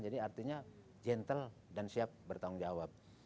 jadi artinya gentle dan siap bertanggung jawab